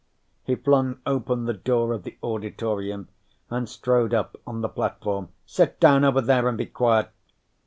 He flung open the door of the auditorium and strode up on the platform. "Sit down over there and be quiet!"